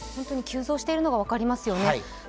急増しているのが分かりますよね。